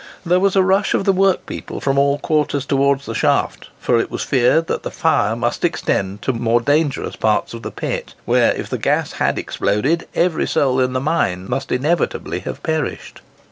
There was a rush of the workpeople from all quarters towards the shaft, for it was feared that the fire might extend to more dangerous parts of the pit, where, if the gas had exploded, every soul in the mine must inevitably have perished.